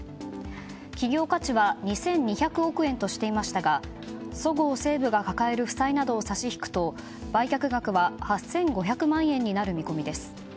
企業価値は２２００億円としていましたがそごう・西武が抱える負債などを差し引くと売却額は８５００万円になる見込みです。